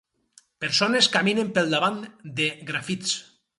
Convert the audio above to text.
Persones caminen pel davant de grafits.